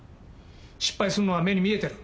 失敗するのは目に見えてる。